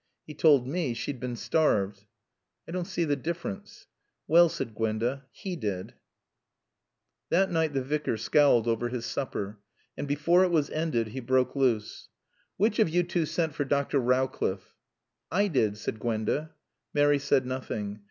"He told me she'd been starved." "I don't see the difference." "Well," said Gwenda. "He did." That night the Vicar scowled over his supper. And before it was ended he broke loose. "Which of you two sent for Dr. Rowcliffe?" "I did," said Gwenda. Mary said nothing.